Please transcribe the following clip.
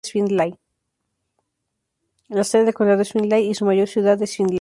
La sede del condado es Findlay, y su mayor ciudad es Findlay.